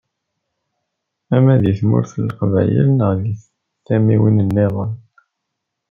Ama deg tmurt n Leqbayel neɣ deg tamiwin-nniḍen.